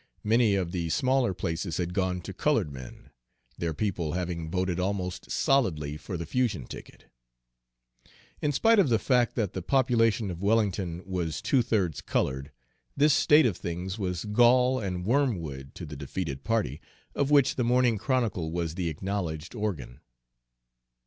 Many of the smaller places had gone to colored men, their people having voted almost solidly for the Fusion ticket. In spite of the fact that the population of Wellington was two thirds colored, this state of things was gall and wormwood to the defeated party, of which the Morning Chronicle was the acknowledged organ.